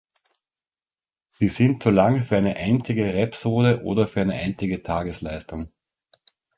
Sie sind zu lang für eine einzige Rhapsode oder für eine einzige Tagesleistung.